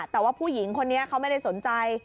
แต่ว่าผู้หญิงคนนี้เขาไม่ได้สนใจ